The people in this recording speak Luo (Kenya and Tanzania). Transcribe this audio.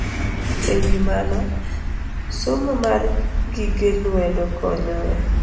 E wi mano, somo mar gige lwedo konyo e